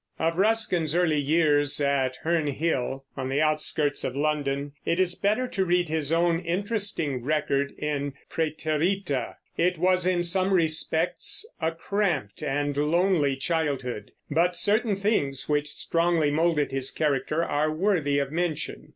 Of Ruskin's early years at Herne Hill, on the outskirts of London, it is better to read his own interesting record in Praeterita. It was in some respects a cramped and lonely childhood, but certain things which strongly molded his character are worthy of mention.